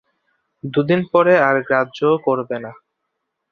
দুদিন পরে আর গ্রাহ্যও করবে না।